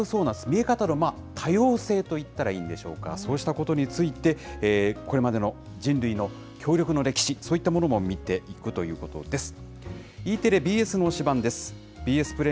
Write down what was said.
見え方の多様性と言ったらいいんでしょうか、そうしたことについて、これまでの人類の協力の歴史、そういったものも見ていくということです。